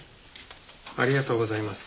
ありがとうございます。